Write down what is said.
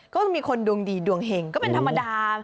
ก็จะมีคนดวงดีดวงเห็งก็เป็นธรรมดา